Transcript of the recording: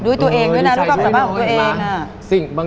ด้วยตัวเองด้วยนะด้วยความสามารถของตัวเอง